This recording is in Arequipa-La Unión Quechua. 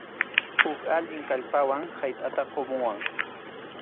Huk allin kallpawan haytʼata qumuwan.